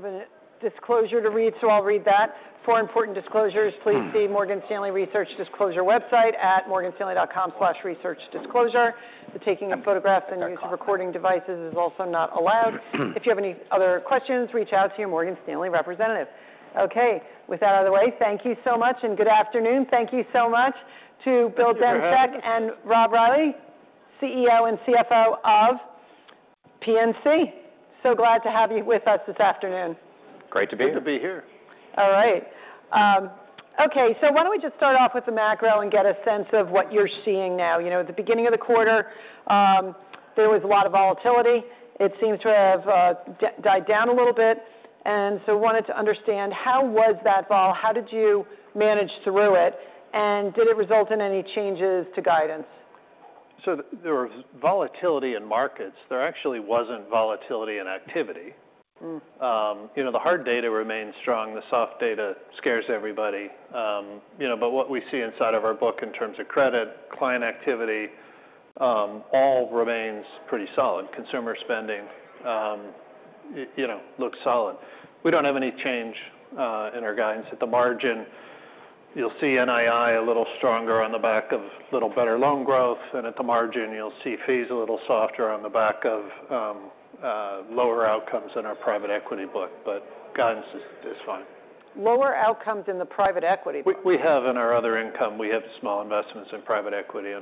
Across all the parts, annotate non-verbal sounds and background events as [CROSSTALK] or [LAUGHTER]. Have a disclosure to read, so I'll read that. For important disclosures, please see Morgan Stanley Research Disclosure website at morganstanley.com/researchdisclosure. The taking of photographs and use of recording devices is also not allowed. If you have any other questions, reach out to your Morgan Stanley representative. Okay, with that out of the way, thank you so much and good afternoon. Thank you so much to Bill Demchak and Rob Reilly, CEO and CFO of PNC. So glad to have you with us this afternoon. Great to be here. Great to be here. All right. Okay, so why don't we just start off with the macro and get a sense of what you're seeing now. You know, at the beginning of the quarter, there was a lot of volatility. It seems to have died down a little bit. We wanted to understand how was that vol? How did you manage through it? Did it result in any changes to guidance? There was volatility in markets. There actually was not volatility in activity. You know, the hard data remains strong. The soft data scares everybody. You know, but what we see inside of our book in terms of credit, client activity, all remains pretty solid. Consumer spending, you know, looks solid. We do not have any change in our guidance. At the margin, you will see NII a little stronger on the back of a little better loan growth. And at the margin, you will see fees a little softer on the back of lower outcomes in our private equity book. Guidance is fine. Lower outcomes in the private equity book. We have in our other income, we have small investments in private equity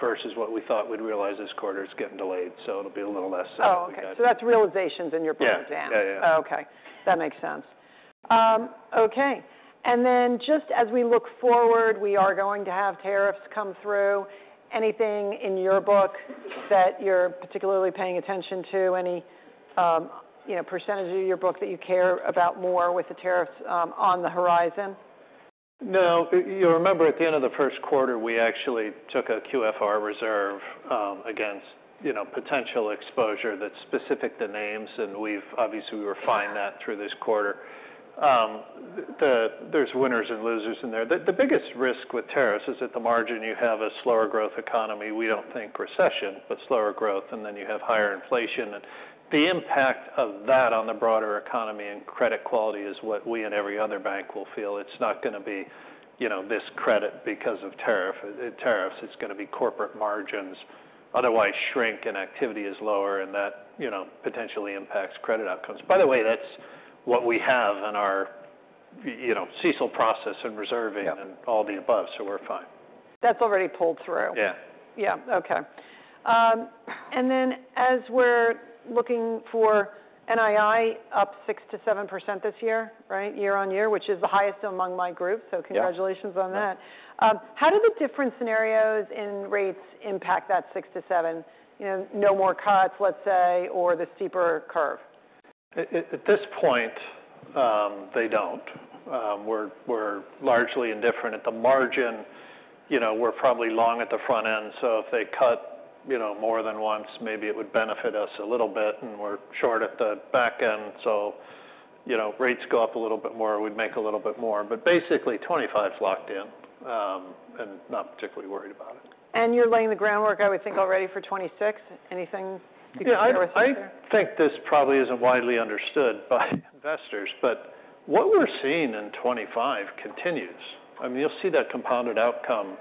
versus what we thought we'd realize this quarter is getting delayed. So it'll be a little less sad. Oh, okay. So that's realizations in your book, James. Yeah, yeah. Oh, okay. That makes sense. Okay. As we look forward, we are going to have tariffs come through. Anything in your book that you're particularly paying attention to? Any, you know, percentage of your book that you care about more with the tariffs on the horizon? No, you'll remember at the end of the first quarter, we actually took a QFR reserve against, you know, potential exposure that's specific to names. We've obviously refined that through this quarter. There's winners and losers in there. The biggest risk with tariffs is at the margin, you have a slower growth economy. We don't think recession, but slower growth. You have higher inflation. The impact of that on the broader economy and credit quality is what we and every other bank will feel. It's not going to be, you know, this credit because of tariffs. It's going to be corporate margins otherwise shrink and activity is lower. That, you know, potentially impacts credit outcomes. By the way, that's what we have in our, you know, CECL process and reserving and all the above. We're fine. That's already pulled through. Yeah. Yeah, okay. As we're looking for NII up 6-7% this year, right, year on year, which is the highest among my group. Congratulations on that. How do the different scenarios in rates impact that 6-7? You know, no more cuts, let's say, or the steeper curve? At this point, they do not. We're largely indifferent. At the margin, you know, we're probably long at the front end. If they cut, you know, more than once, maybe it would benefit us a little bit. We're short at the back end. You know, rates go up a little bit more, we'd make a little bit more. Basically, 25 is locked in and not particularly worried about it. You're laying the groundwork, I would think, already for 2026. Anything you can think of or think there? I think this probably isn't widely understood by investors. What we're seeing in 2025 continues. I mean, you'll see that compounded outcome,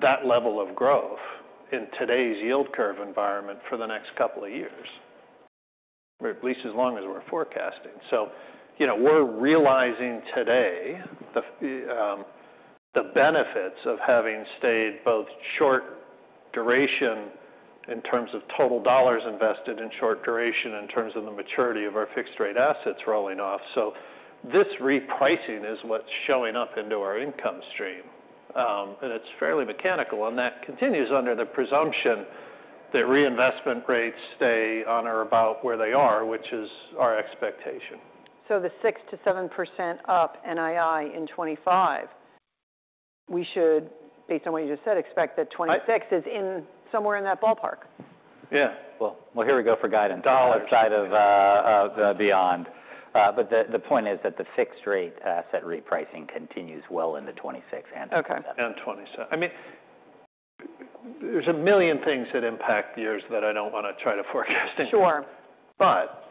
that level of growth in today's yield curve environment for the next couple of years, at least as long as we're forecasting. You know, we're realizing today the benefits of having stayed both short duration in terms of total dollars invested and short duration in terms of the maturity of our fixed rate assets rolling off. This repricing is what's showing up into our income stream. It's fairly mechanical. That continues under the presumption that reinvestment rates stay on or about where they are, which is our expectation. The 6-7% up NII in 2025, we should, based on what you just said, expect that 2026 is in somewhere in that ballpark. Yeah. Here we go for guidance. Dollar side of beyond. The point is that the fixed rate asset repricing continues well into 2026 and Okay. 2027. I mean, there's a million things that impact years that I don't want to try to forecast anything. Sure. But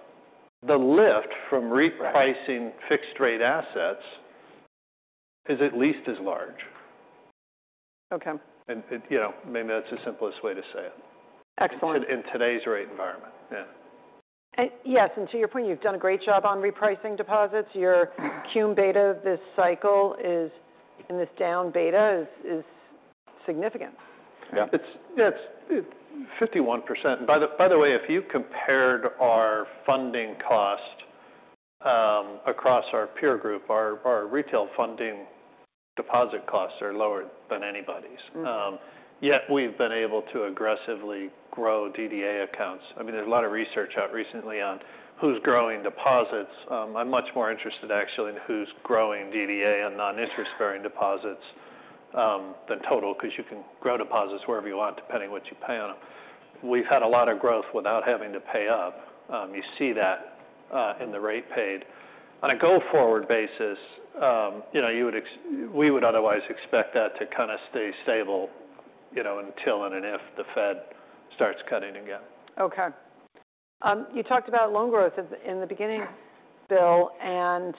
The lift from repricing fixed rate assets is at least as large. Okay. You know, maybe that's the simplest way to say it. Excellent. In today's rate environment, yeah. Yes. To your point, you've done a great job on repricing deposits. Your cumulative beta this cycle, in this down beta, is significant. Yeah. It's 51%. And by the way, if you compared our funding cost across our peer group, our retail funding deposit costs are lower than anybody's. Yet we've been able to aggressively grow DDA accounts. I mean, there's a lot of research out recently on who's growing deposits. I'm much more interested actually in who's growing DDA and non-interest-bearing deposits than total, because you can grow deposits wherever you want, depending on what you pay on them. We've had a lot of growth without having to pay up. You see that in the rate paid. On a go-forward basis, you know, we would otherwise expect that to kind of stay stable, you know, until and if the Fed starts cutting again. Okay. You talked about loan growth in the beginning, Bill and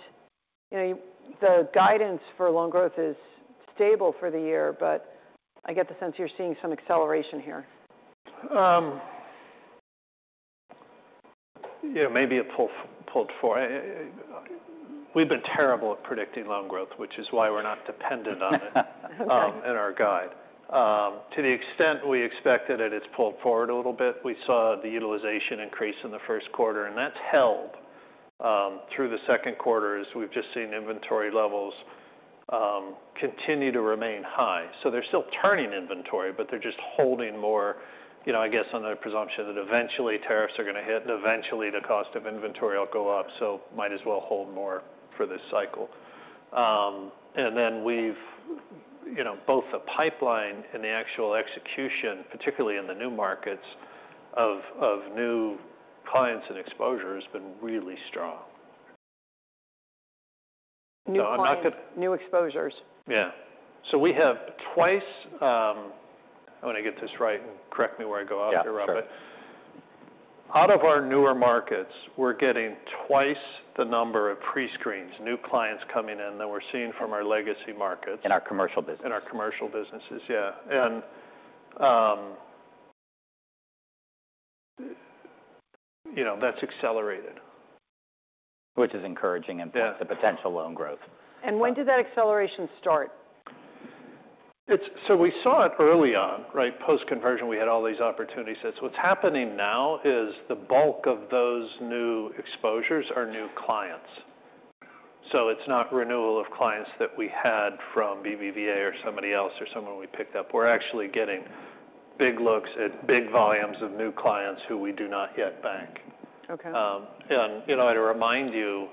You know, the guidance for loan growth is stable for the year. I get the sense you're seeing some acceleration here. You know, maybe a pull forward. We've been terrible at predicting loan growth, which is why we're not dependent on it in our guide. To the extent we expected it, it's pulled forward a little bit. We saw the utilization increase in the first quarter. That's held through the second quarter as we've just seen inventory levels continue to remain high. They're still turning inventory, but they're just holding more, you know, I guess on the presumption that eventually tariffs are going to hit and eventually the cost of inventory will go up. Might as well hold more for this cycle. We've, you know, both the pipeline and the actual execution, particularly in the new markets of new clients and exposure, has been really strong. New clients, new exposures. Yeah. We have twice, I want to get this right and correct me where I go off here, Robert. Out of our newer markets, we're getting twice the number of pre-screens, new clients coming in that we're seeing from our legacy markets. In our commercial businesses. In our commercial businesses, yeah. You know, that's accelerated. Which is encouraging in terms of potential loan growth. [CROSSTALK] When did that acceleration start? We saw it early on, right? Post-conversion, we had all these opportunities. What's happening now is the bulk of those new exposures are new clients. It's not renewal of clients that we had from BBVA or somebody else or someone we picked up. We're actually getting big looks at big volumes of new clients who we do not yet bank. Okay. You know, I'd remind you,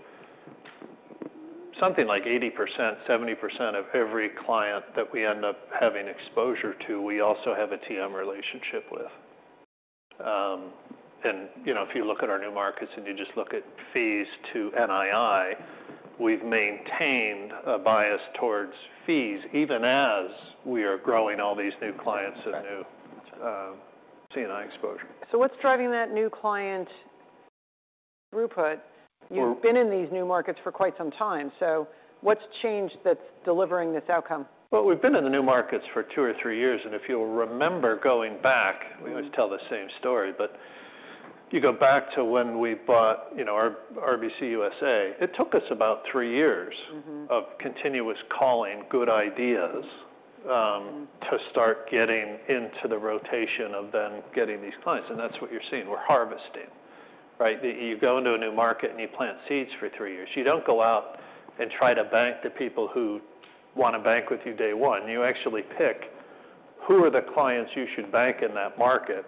something like 80%-70% of every client that we end up having exposure to, we also have a TM relationship with. You know, if you look at our new markets and you just look at fees to NII, we've maintained a bias towards fees, even as we are growing all these new clients and new CNI exposure. What's driving that new client throughput? You've been in these new markets for quite some time. What's changed that's delivering this outcome? We have been in the new markets for two or three years. If you will remember going back, we always tell the same story. You go back to when we bought, you know, RBC USA, it took us about three years of continuous calling good ideas to start getting into the rotation of then getting these clients. That is what you are seeing. We are harvesting, right? You go into a new market and you plant seeds for three years. You do not go out and try to bank the people who want to bank with you day one. You actually pick who are the clients you should bank in that market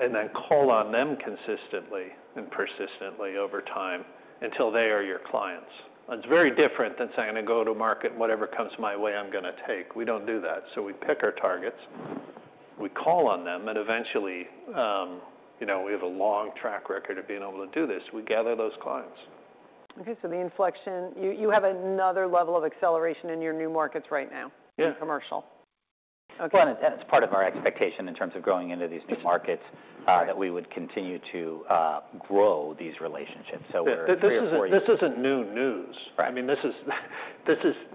and then call on them consistently and persistently over time until they are your clients. It is very different than saying, "I am going to go to market and whatever comes my way, I am going to take." We do not do that. We pick our targets, we call on them, and eventually, you know, we have a long track record of being able to do this. We gather those clients. Okay. So the inflection, you have another level of acceleration in your new markets right now in commercial. Yeah. Okay. That is part of our expectation in terms of growing into these new markets, that we would continue to grow these relationships. So we're exploring. This isn't new news. I mean, this is,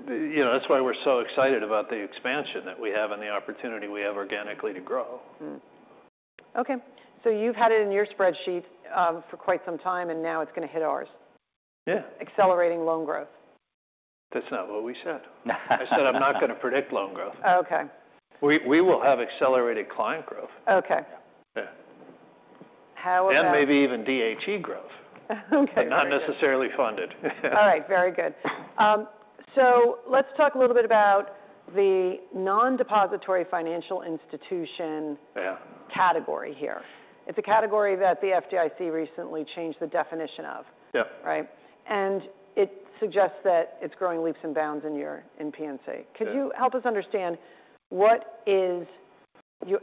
you know, that's why we're so excited about the expansion that we have and the opportunity we have organically to grow. Okay. So you've had it in your spreadsheet for quite some time, and now it's going to hit ours. Yeah. Accelerating loan growth. That's not what we said. I said I'm not going to predict loan growth. Okay. We will have accelerated client growth. Okay. Yeah. How about. Maybe even DHE growth, but not necessarily funded. All right. Very good. Let's talk a little bit about the non-depository financial institution category here. It's a category that the FDIC recently changed the definition of, right? It suggests that it's growing leaps and bounds in your PNC. Could you help us understand what is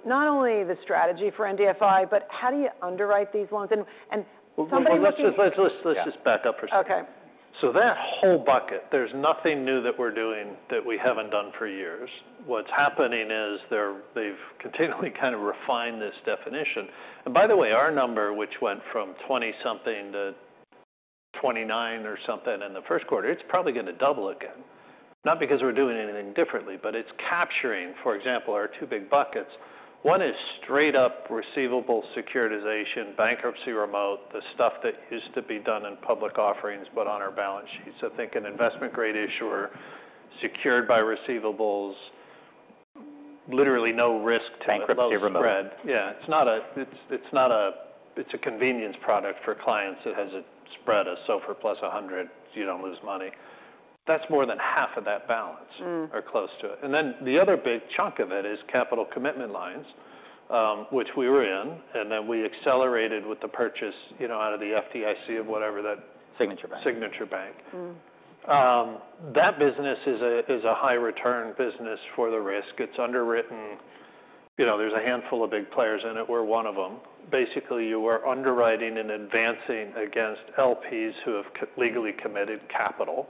not only the strategy for NDFI, but how do you underwrite these loans? And somebody who. Let's just back up for a second. Okay. That whole bucket, there's nothing new that we're doing that we haven't done for years. What's happening is they've continually kind of refined this definition. By the way, our number, which went from 20-something to 29 or something in the first quarter, it's probably going to double again. Not because we're doing anything differently, but it's capturing, for example, our two big buckets. One is straight-up receivable securitization, bankruptcy remote, the stuff that used to be done in public offerings, but on our balance sheets. I think an investment grade issuer secured by receivables, literally no risk to. Bankruptcy remote. Yeah. It's not a, it's a convenience product for clients that has a spread of SOFR plus 100, you don't lose money. That's more than half of that balance or close to it. The other big chunk of it is capital commitment lines, which we were in. You know, we accelerated with the purchase out of the FDIC of whatever that. Signature Bank. Signature Bank. That business is a high-return business for the risk. It's underwritten. You know, there's a handful of big players in it. We're one of them. Basically, you are underwriting and advancing against LPs who have legally committed capital.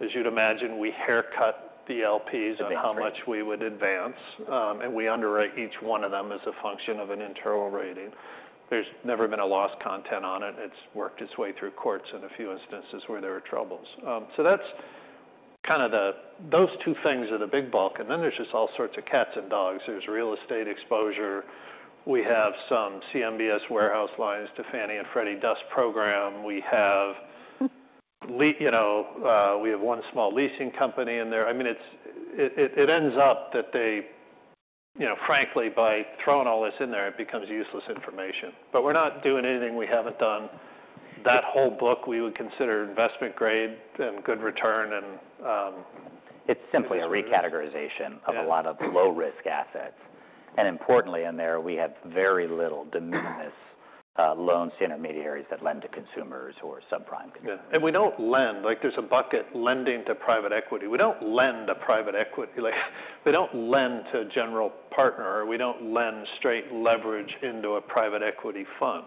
As you'd imagine, we haircut the LPs on how much we would advance. And we underwrite each one of them as a function of an internal rating. There's never been a loss content on it. It's worked its way through courts in a few instances where there were troubles. That is kind of the, those two things are the big bulk. Then there's just all sorts of cats and dogs. There's real estate exposure. We have some CMBS warehouse lines to Fannie and Freddie Dust program. We have, you know, we have one small leasing company in there. I mean, it ends up that they, you know, frankly, by throwing all this in there, it becomes useless information. We are not doing anything we have not done. That whole book, we would consider investment grade and good return and. It's simply a recategorization of a lot of low-risk assets. Importantly in there, we have very little, de minimis loans to intermediaries that lend to consumers or subprime consumers. We do not lend, like there is a bucket lending to private equity. We do not lend to private equity. Like we do not lend to a general partner. We do not lend straight leverage into a private equity fund.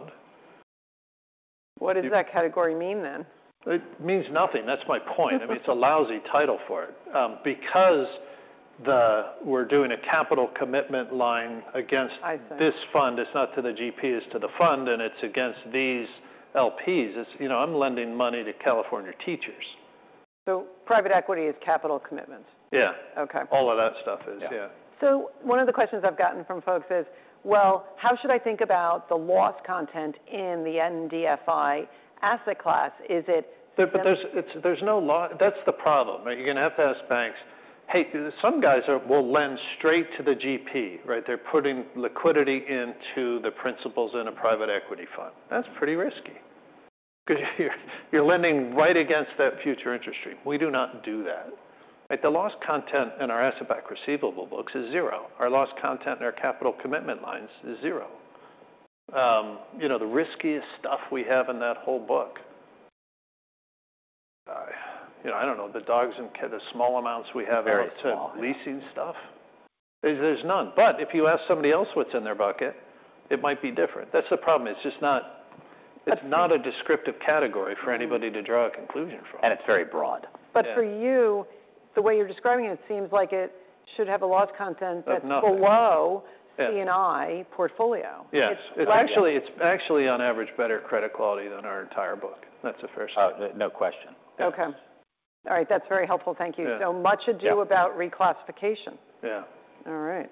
What does that category mean then? It means nothing. That's my point. I mean, it's a lousy title for it. Because we're doing a capital commitment line against this fund. It's not to the GP, it's to the fund, and it's against these LPs. It's, you know, I'm lending money to California teachers. Private equity is capital commitments. Yeah. Okay. All of that stuff is, yeah. One of the questions I've gotten from folks is, well, how should I think about the loss content in the NDFI asset class? Is it. There's no loss. That's the problem. You're going to have to ask banks, hey, some guys will lend straight to the GP, right? They're putting liquidity into the principals in a private equity fund. That's pretty risky. You're lending right against that future interest stream. We do not do that. The loss content in our asset back receivable books is zero. Our loss content in our capital commitment lines is zero. You know, the riskiest stuff we have in that whole book, you know, I don't know, the dogs and the small amounts we have in our leasing stuff, there's none. If you ask somebody else what's in their bucket, it might be different. That's the problem. It's just not a descriptive category for anybody to draw a conclusion from. It is very broad. For you, the way you're describing it, it seems like it should have a loss content that's below CNI portfolio. Yeah. It's actually, it's actually on average better credit quality than our entire book. That's the first thing. No question. Okay. All right. That's very helpful. Thank you. So much to do about reclassification. Yeah. All right.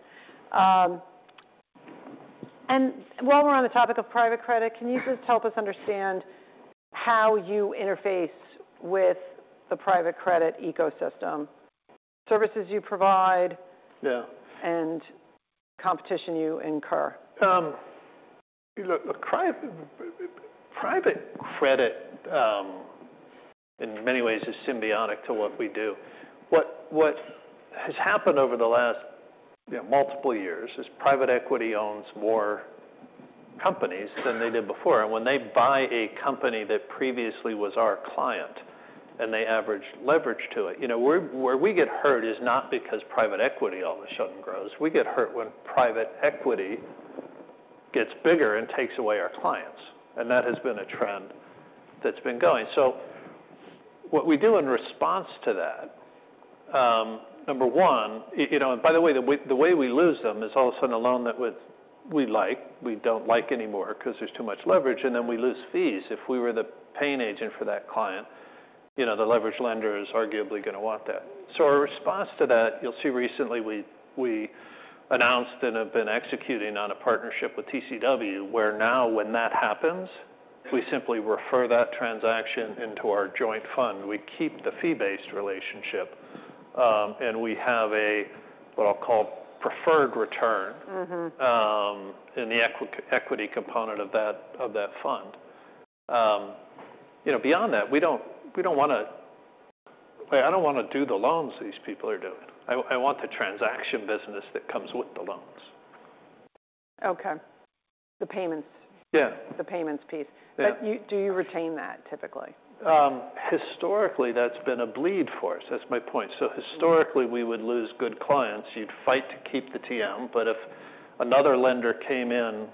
While we're on the topic of private credit, can you just help us understand how you interface with the private credit ecosystem, services you provide, and competition you incur? Private credit in many ways is symbiotic to what we do. What has happened over the last multiple years is private equity owns more companies than they did before. When they buy a company that previously was our client and they average leverage to it, you know, where we get hurt is not because private equity all of a sudden grows. We get hurt when private equity gets bigger and takes away our clients. That has been a trend that's been going. What we do in response to that, number one, you know, and by the way, the way we lose them is all of a sudden a loan that we like, we do not like anymore because there's too much leverage, and then we lose fees. If we were the paying agent for that client, you know, the leverage lender is arguably going to want that. Our response to that, you'll see recently we announced and have been executing on a partnership with TCW, where now when that happens, we simply refer that transaction into our joint fund. We keep the fee-based relationship and we have a, what I'll call, preferred return in the equity component of that fund. You know, beyond that, we don't want to, I don't want to do the loans these people are doing. I want the transaction business that comes with the loans. Okay. The payments. Yeah. The payments piece. Do you retain that typically? Historically, that's been a bleed for us. That's my point. Historically, we would lose good clients. You'd fight to keep the TM, but if another lender came in,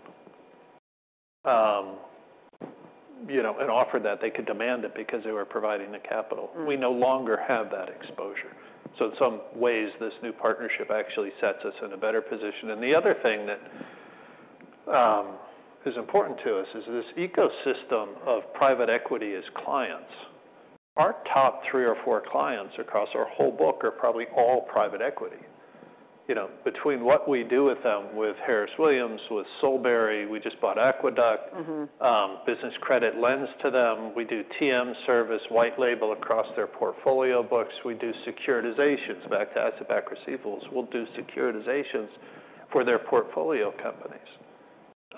you know, and offered that, they could demand it because they were providing the capital. We no longer have that exposure. In some ways, this new partnership actually sets us in a better position. The other thing that is important to us is this ecosystem of private equity as clients. Our top three or four clients across our whole book are probably all private equity. You know, between what we do with them, with Harris Williams, with Solberry, we just bought Aqueduct, business credit lends to them. We do TM service, white label across their portfolio books. We do securitizations back to asset-backed receivables. We'll do securitizations for their portfolio companies.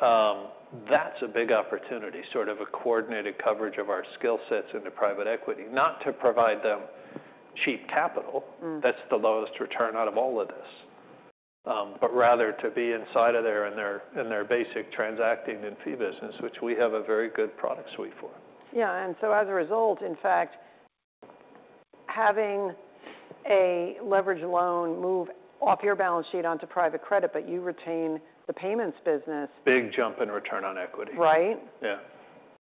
That's a big opportunity, sort of a coordinated coverage of our skill sets into private equity, not to provide them cheap capital. That's the lowest return out of all of this, but rather to be inside of their basic transacting and fee business, which we have a very good product suite for. Yeah. As a result, in fact, having a leverage loan move off your balance sheet onto private credit, but you retain the payments business. Big jump in return on equity. Right? Yeah.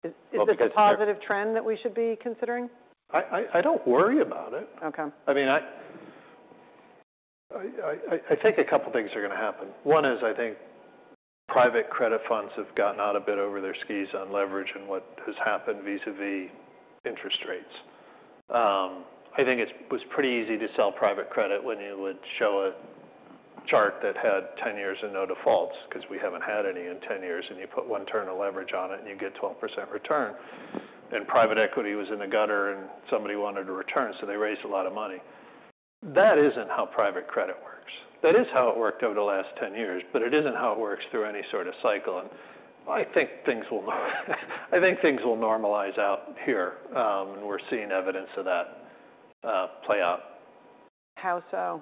Is this a positive trend that we should be considering? I don't worry about it. Okay. I mean, I think a couple of things are going to happen. One is I think private credit funds have gotten out a bit over their skis on leverage and what has happened vis-à-vis interest rates. I think it was pretty easy to sell private credit when you would show a chart that had 10 years and no defaults because we have not had any in 10 years, and you put one turn of leverage on it and you get 12% return. And private equity was in the gutter and somebody wanted to return, so they raised a lot of money. That is not how private credit works. That is how it worked over the last 10 years, but it is not how it works through any sort of cycle. I think things will normalize out here, and we are seeing evidence of that play out. How so?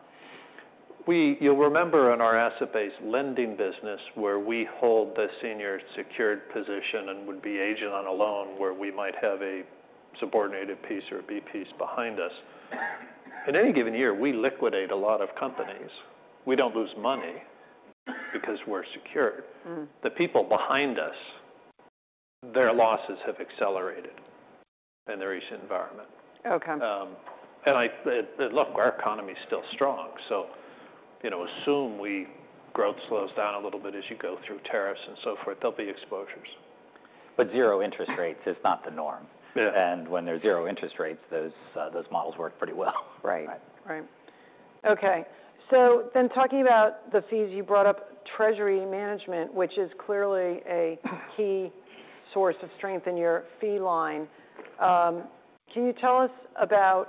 You'll remember in our asset-based lending business where we hold the senior secured position and would be agent on a loan where we might have a subordinated piece or a B piece behind us. In any given year, we liquidate a lot of companies. We don't lose money because we're secured. The people behind us, their losses have accelerated in the recent environment. Okay. Look, our economy is still strong. You know, assume we growth slows down a little bit as you go through tariffs and so forth, there'll be exposures. Zero interest rates is not the norm. Yeah. When there's zero interest rates, those models work pretty well. Right. Right. Okay. So then talking about the fees, you brought up treasury management, which is clearly a key source of strength in your fee line. Can you tell us about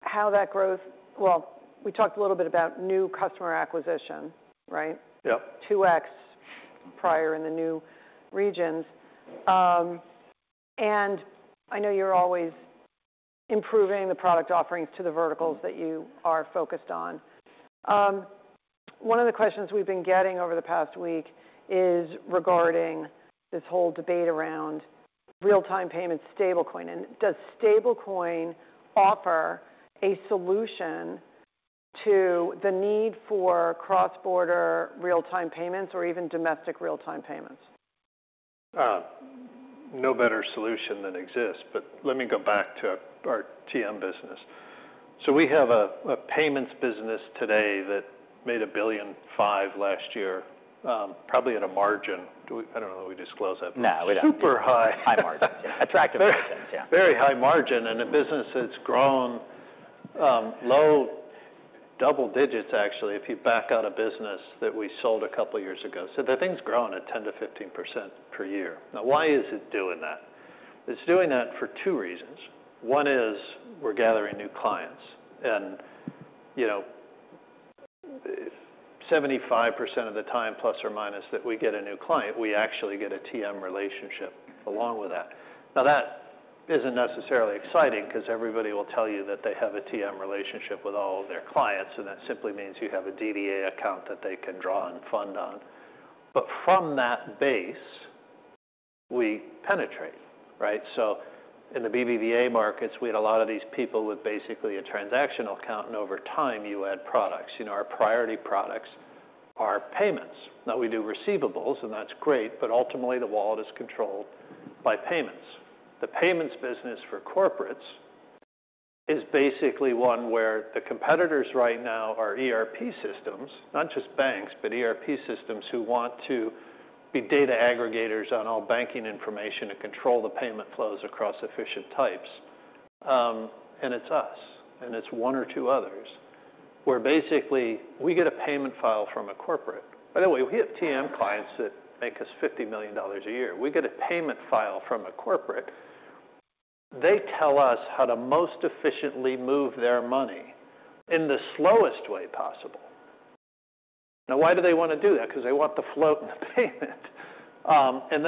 how that growth, well, we talked a little bit about new customer acquisition, right? Yeah. Two X prior in the new regions. I know you're always improving the product offerings to the verticals that you are focused on. One of the questions we've been getting over the past week is regarding this whole debate around real-time payments, stablecoin. Does stablecoin offer a solution to the need for cross-border real-time payments or even domestic real-time payments? No better solution than exists. Let me go back to our TM business. We have a payments business today that made $1.5 billion last year, probably at a margin. I do not know that we disclose that. No, we don't. Super high. High margins. Attractive margins. Very high margin and a business that's grown low double digits actually if you back out a business that we sold a couple of years ago. The thing's grown at 10-15% per year. Now, why is it doing that? It's doing that for two reasons. One is we're gathering new clients. And, you know, 75% of the time plus or minus that we get a new client, we actually get a TM relationship along with that. Now, that isn't necessarily exciting because everybody will tell you that they have a TM relationship with all of their clients. That simply means you have a DDA account that they can draw and fund on. From that base, we penetrate, right? In the BBVA markets, we had a lot of these people with basically a transactional account. Over time, you add products. You know, our priority products are payments. Now, we do receivables and that's great, but ultimately the wallet is controlled by payments. The payments business for corporates is basically one where the competitors right now are ERP systems, not just banks, but ERP systems who want to be data aggregators on all banking information and control the payment flows across efficient types. And it's us and it's one or two others where basically we get a payment file from a corporate. By the way, we have TM clients that make us $50 million a year. We get a payment file from a corporate. They tell us how to most efficiently move their money in the slowest way possible. Now, why do they want to do that? Because they want the float and the payment.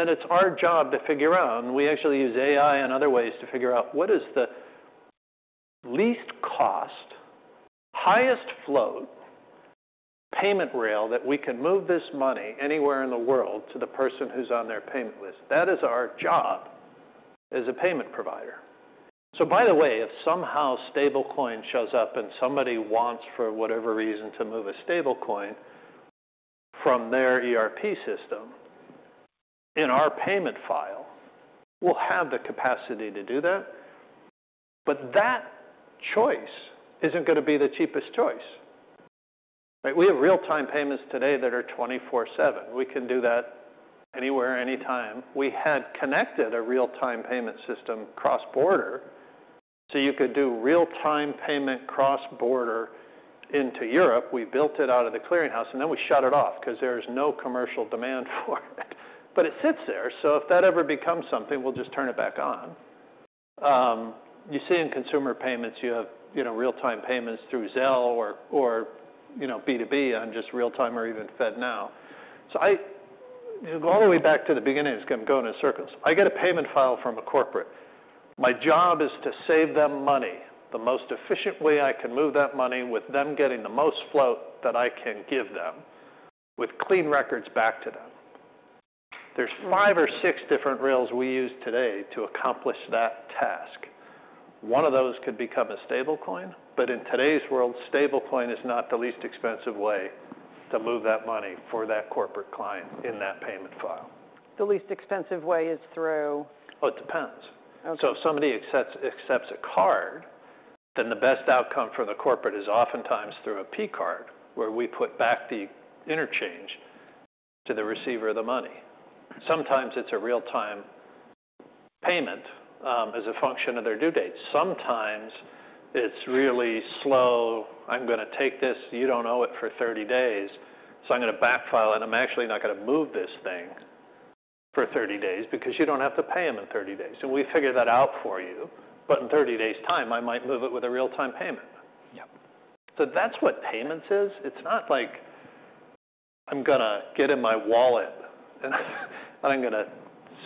It's our job to figure out, and we actually use AI and other ways to figure out what is the least cost, highest float payment rail that we can move this money anywhere in the world to the person who's on their payment list. That is our job as a payment provider. By the way, if somehow stablecoin shows up and somebody wants for whatever reason to move a stablecoin from their ERP system, in our payment file, we'll have the capacity to do that. That choice isn't going to be the cheapest choice. We have real-time payments today that are 24/7. We can do that anywhere, anytime. We had connected a real-time payment system cross-border. You could do real-time payment cross-border into Europe. We built it out of the clearing house and then we shut it off because there is no commercial demand for it. It sits there. If that ever becomes something, we'll just turn it back on. You see in consumer payments, you have real-time payments through Zelle or B2B on just real-time or even FedNow. You go all the way back to the beginning, it's going to go in a circle. I get a payment file from a corporate. My job is to save them money the most efficient way I can move that money with them getting the most float that I can give them with clean records back to them. There are five or six different rails we use today to accomplish that task. One of those could become a stablecoin, but in today's world, stablecoin is not the least expensive way to move that money for that corporate client in that payment file. The least expensive way is through. Oh, it depends. If somebody accepts a card, then the best outcome for the corporate is oftentimes through a P card where we put back the interchange to the receiver of the money. Sometimes it is a real-time payment as a function of their due date. Sometimes it is really slow. I am going to take this. You do not owe it for 30 days. I am going to backfile and I am actually not going to move this thing for 30 days because you do not have to pay them in 30 days. We figure that out for you. In 30 days' time, I might move it with a real-time payment. Yep. That is what payments is. It is not like I am going to get in my wallet and I am going to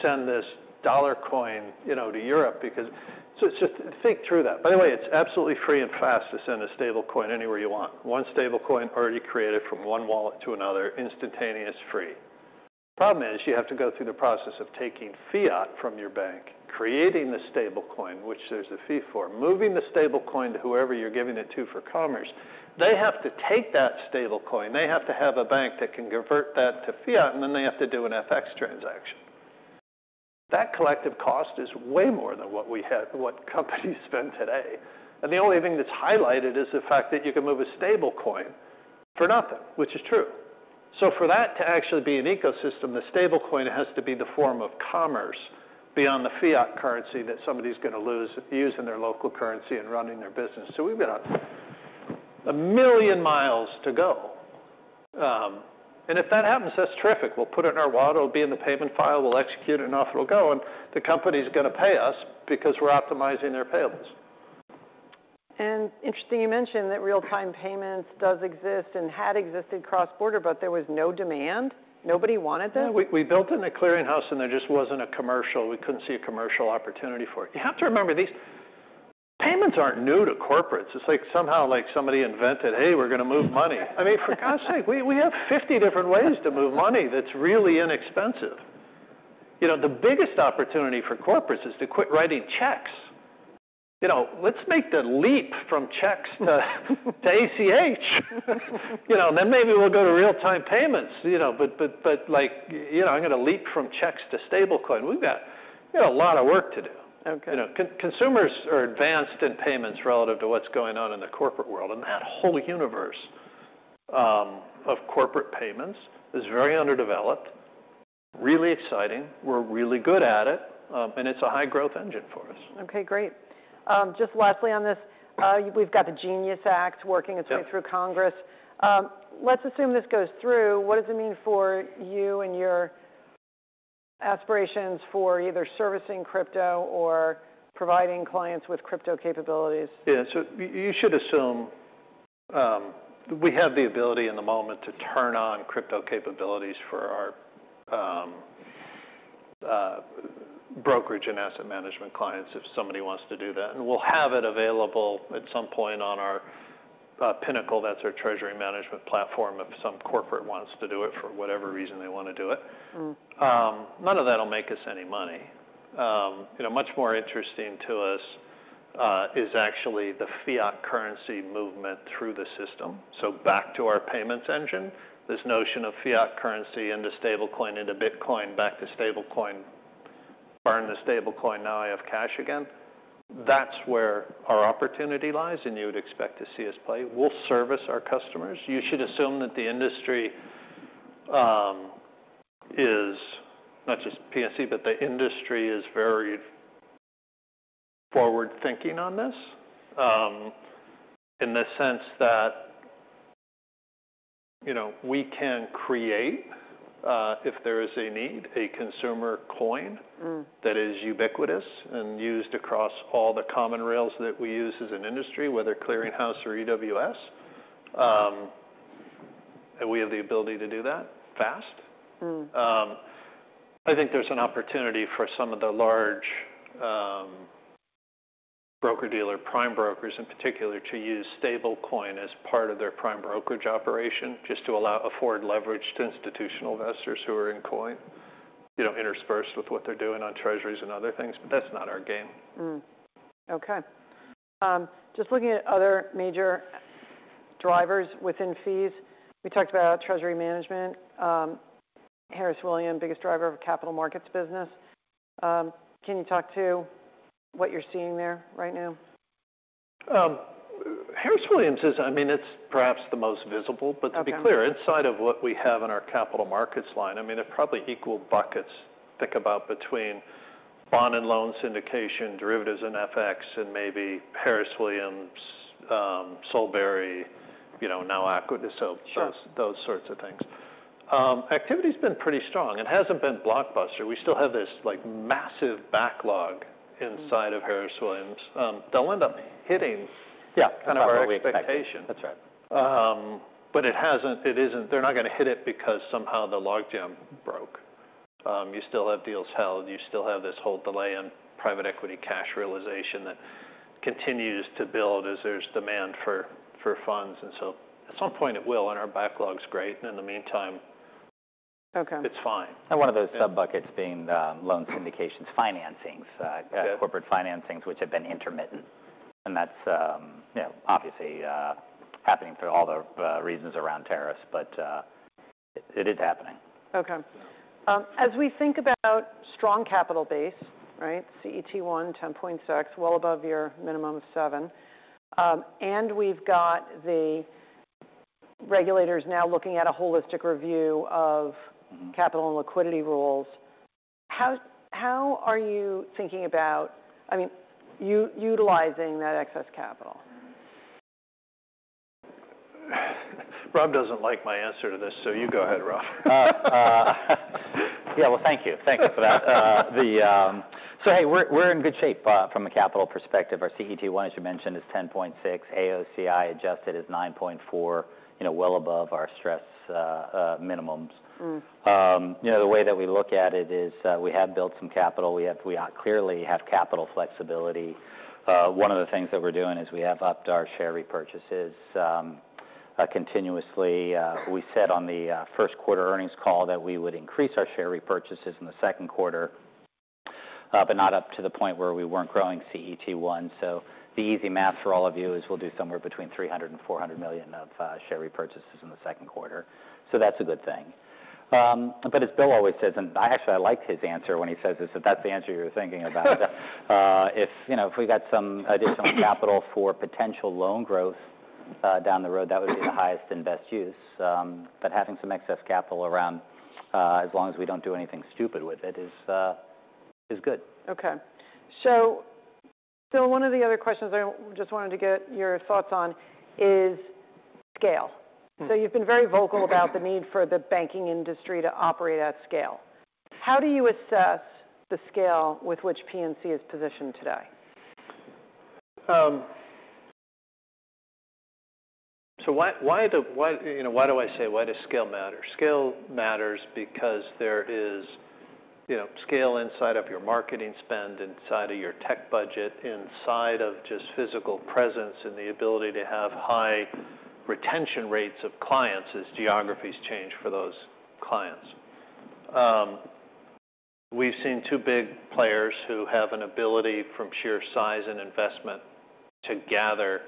send this dollar coin, you know, to Europe because, so just think through that. By the way, it is absolutely free and fast to send a stablecoin anywhere you want. One stablecoin already created from one wallet to another, instantaneous, free. The problem is you have to go through the process of taking fiat from your bank, creating the stablecoin, which there is a fee for, moving the stablecoin to whoever you are giving it to for commerce. They have to take that stablecoin. They have to have a bank that can convert that to fiat, and then they have to do an FX transaction. That collective cost is way more than what we have, what companies spend today. The only thing that's highlighted is the fact that you can move a stablecoin for nothing, which is true. For that to actually be an ecosystem, the stablecoin has to be the form of commerce beyond the fiat currency that somebody's going to lose using their local currency and running their business. We've got a million miles to go. If that happens, that's terrific. We'll put it in our wallet. It'll be in the payment file. We'll execute it and off it'll go. The company's going to pay us because we're optimizing their payables. Interesting, you mentioned that real-time payments does exist and had existed cross-border, but there was no demand. Nobody wanted this. We built in a clearing house and there just was not a commercial. We could not see a commercial opportunity for it. You have to remember these payments are not new to corporates. It is like somehow like somebody invented, hey, we are going to move money. I mean, for God's sake, we have 50 different ways to move money that is really inexpensive. You know, the biggest opportunity for corporates is to quit writing checks. You know, let us make the leap from checks to ACH. You know, then maybe we will go to real-time payments. You know, but like, you know, I am going to leap from checks to stablecoin. We have got a lot of work to do. Okay. You know, consumers are advanced in payments relative to what's going on in the corporate world. That whole universe of corporate payments is very underdeveloped, really exciting. We're really good at it. It's a high-growth engine for us. Okay, great. Just lastly on this, we've got the Genius Act working its way through Congress. Let's assume this goes through. What does it mean for you and your aspirations for either servicing crypto or providing clients with crypto capabilities? Yeah. You should assume we have the ability in the moment to turn on crypto capabilities for our brokerage and asset management clients if somebody wants to do that. We'll have it available at some point on our Pinnacle. That's our treasury management platform if some corporate wants to do it for whatever reason they want to do it. None of that will make us any money. You know, much more interesting to us is actually the fiat currency movement through the system. Back to our payments engine, this notion of fiat currency into stablecoin, into Bitcoin, back to stablecoin, burn the stablecoin. Now I have cash again. That's where our opportunity lies and you would expect to see us play. We'll service our customers. You should assume that the industry is not just PNC, but the industry is very forward-thinking on this in the sense that, you know, we can create, if there is a need, a consumer coin that is ubiquitous and used across all the common rails that we use as an industry, whether clearing house or EWS. We have the ability to do that fast. I think there's an opportunity for some of the large broker-dealer prime brokers in particular to use stablecoin as part of their prime brokerage operation just to allow, afford leveraged institutional investors who are in coin, you know, interspersed with what they're doing on treasuries and other things. That is not our game. Okay. Just looking at other major drivers within fees, we talked about treasury management. Harris Williams, biggest driver of capital markets business. Can you talk to what you're seeing there right now? Harris Williams is, I mean, it's perhaps the most visible. To be clear, inside of what we have in our capital markets line, there are probably equal buckets to think about between bond and loan syndication, derivatives and FX, and maybe Harris Williams, Solberry, you know, now Aqua. Those sorts of things. Activity has been pretty strong. It hasn't been blockbuster. We still have this like massive backlog inside of Harris Williams. They'll end up hitting. Yeah, kind of our expectation. That's right. It hasn't, it isn't, they're not going to hit it because somehow the log jam broke. You still have deals held. You still have this whole delay in private equity cash realization that continues to build as there's demand for funds. At some point it will and our backlog's great. In the meantime, it's fine. One of those sub-buckets being loan syndications, financings, corporate financings, which have been intermittent. That is, you know, obviously happening for all the reasons around tariffs, but it is happening. Okay. As we think about strong capital base, right? CET1 10.6, well above your minimum of 7. And we've got the regulators now looking at a holistic review of capital and liquidity rules. How are you thinking about, I mean, utilizing that excess capital? Rob doesn't like my answer to this, so you go ahead, Rob. Yeah, thank you. Thank you for that. Hey, we're in good shape from a capital perspective. Our CET1, as you mentioned, is 10.6. AOCI adjusted is 9.4, you know, well above our stress minimums. You know, the way that we look at it is we have built some capital. We clearly have capital flexibility. One of the things that we're doing is we have upped our share repurchases continuously. We said on the first quarter earnings call that we would increase our share repurchases in the second quarter, but not up to the point where we weren't growing CET1. The easy math for all of you is we'll do somewhere between $300 million-$400 million of share repurchases in the second quarter. That's a good thing. As Bill always says, and I actually like his answer when he says is that that's the answer you're thinking about. If, you know, if we got some additional capital for potential loan growth down the road, that would be the highest and best use. But having some excess capital around as long as we don't do anything stupid with it is good. Okay. One of the other questions I just wanted to get your thoughts on is scale. You have been very vocal about the need for the banking industry to operate at scale. How do you assess the scale with which PNC is positioned today? Why, you know, why do I say why does scale matter? Scale matters because there is, you know, scale inside of your marketing spend, inside of your tech budget, inside of just physical presence and the ability to have high retention rates of clients as geographies change for those clients. We've seen two big players who have an ability from sheer size and investment to gather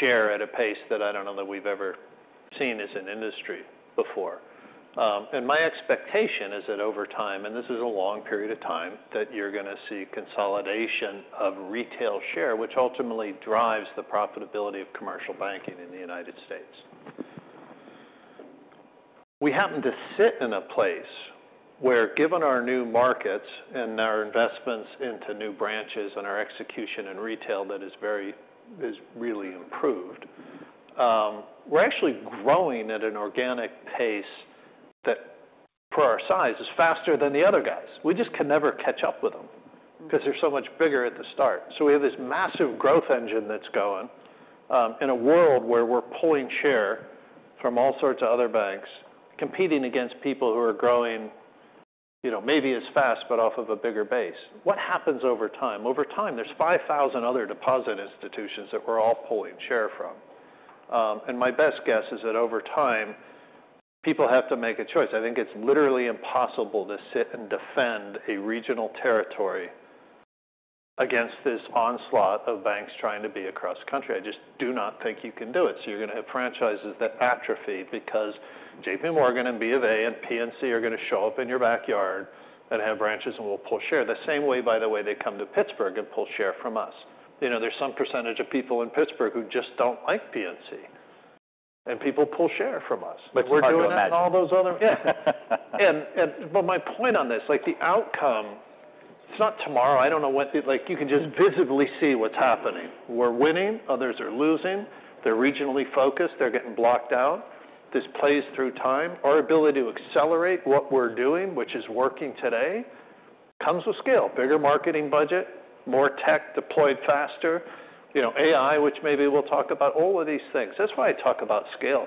share at a pace that I don't know that we've ever seen as an industry before. My expectation is that over time, and this is a long period of time, that you're going to see consolidation of retail share, which ultimately drives the profitability of commercial banking in the United States. We happen to sit in a place where, given our new markets and our investments into new branches and our execution in retail that is very, is really improved, we're actually growing at an organic pace that for our size is faster than the other guys. We just can never catch up with them because they're so much bigger at the start. We have this massive growth engine that's going in a world where we're pulling share from all sorts of other banks, competing against people who are growing, you know, maybe as fast, but off of a bigger base. What happens over time? Over time, there's 5,000 other deposit institutions that we're all pulling share from. My best guess is that over time, people have to make a choice. I think it's literally impossible to sit and defend a regional territory against this onslaught of banks trying to be across country. I just do not think you can do it. You're going to have franchises that atrophy because JPMorgan Chase & Co. and Bank of America and PNC are going to show up in your backyard and have branches and will pull share. The same way, by the way, they come to Pittsburgh and pull share from us. You know, there's some percentage of people in Pittsburgh who just don't like PNC. And people pull share from us. You're not imagining. We're doing it in all those other. Yeah. My point on this, like the outcome, it's not tomorrow. I don't know what the, like you can just visibly see what's happening. We're winning. Others are losing. They're regionally focused. They're getting blocked out. This plays through time. Our ability to accelerate what we're doing, which is working today, comes with scale. Bigger marketing budget, more tech deployed faster. You know, AI, which maybe we'll talk about, all of these things. That's why I talk about scale.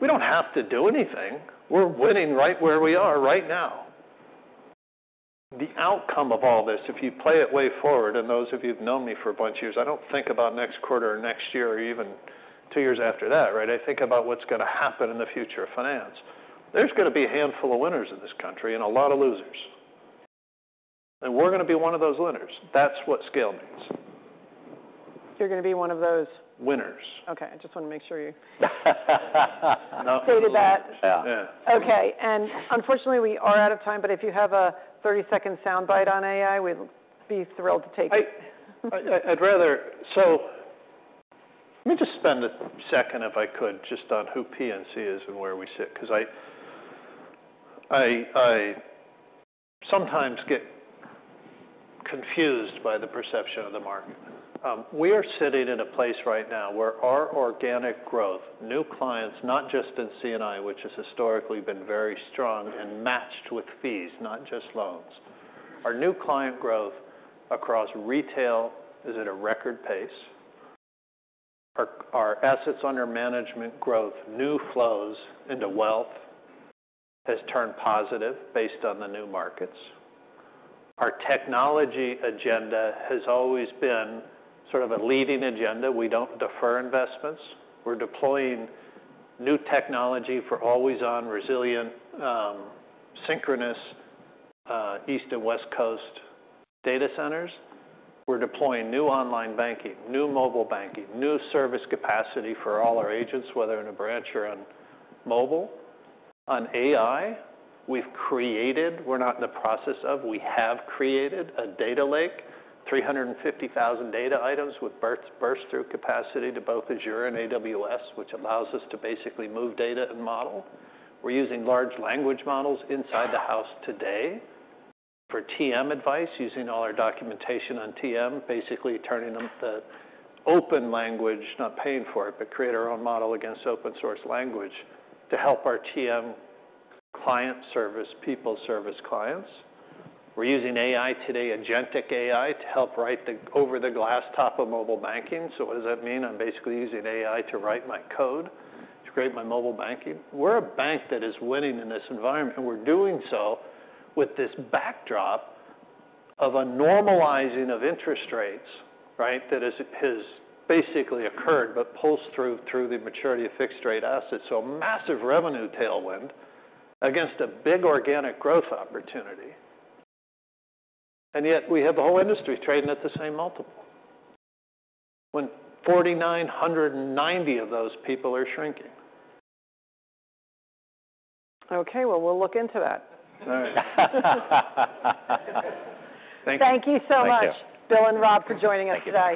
We don't have to do anything. We're winning right where we are right now. The outcome of all this, if you play it way forward, and those of you who've known me for a bunch of years, I don't think about next quarter or next year or even two years after that, right? I think about what's going to happen in the future of finance. There's going to be a handful of winners in this country and a lot of losers. We're going to be one of those winners. That's what scale means. You're going to be one of those. Winners. Okay. I just wanted to make sure you stated that. Yeah. Okay. Unfortunately, we are out of time, but if you have a 30-second soundbite on AI, we'd be thrilled to take it. I'd rather, so let me just spend a second, if I could, just on who PNC is and where we sit. Because I sometimes get confused by the perception of the market. We are sitting in a place right now where our organic growth, new clients, not just in CNI, which has historically been very strong and matched with fees, not just loans. Our new client growth across retail is at a record pace. Our assets under management growth, new flows into wealth has turned positive based on the new markets. Our technology agenda has always been sort of a leading agenda. We don't defer investments. We're deploying new technology for always-on resilient synchronous East and West Coast data centers. We're deploying new online banking, new mobile banking, new service capacity for all our agents, whether in a branch or on mobile. On AI, we've created, we're not in the process of, we have created a data lake, 350,000 data items with burst-through capacity to both Azure and AWS, which allows us to basically move data and model. We're using large language models inside the house today for TM advice, using all our documentation on TM, basically turning them to open language, not paying for it, but create our own model against open source language to help our TM client service, people service clients. We're using AI today, agentic AI to help write the over-the-glass top of mobile banking. What does that mean? I'm basically using AI to write my code to create my mobile banking. We're a bank that is winning in this environment. We're doing so with this backdrop of a normalizing of interest rates, right, that has basically occurred, but pulsed through through the maturity of fixed rate assets. A massive revenue tailwind against a big organic growth opportunity. Yet we have the whole industry trading at the same multiple when 4,990 of those people are shrinking. Okay. We'll look into that. All right. Thank you. Thank you so much, Bill and Rob, for joining us today.